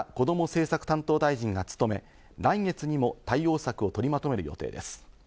政策担当大臣が務め、来月にも対応策を取りまとめる予定です。